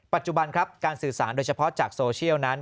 ปัจจุบันครับการสื่อสารโดยเฉพาะจากโซเชียลนั้น